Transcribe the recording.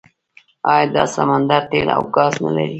آیا دا سمندر تیل او ګاز نلري؟